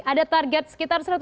ada target skandal